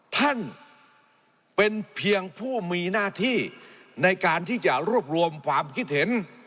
ท่านเป็นเพียงผู้มีหน้าที่ในการที่จะรวบรวมความคิดเห็น